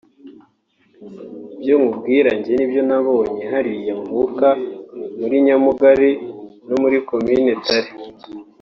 Ibyo nkubwira jye ni ibyo nabonye hariya mvuka muri Nyamugari no muri komine Tare